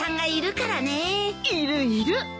いるいる。